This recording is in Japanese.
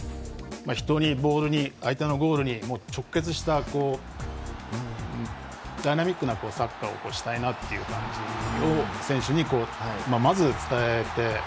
人に、ボールに、相手のゴールに直結した、ダイナミックなサッカーをしたいなという感じを選手にまず伝えて。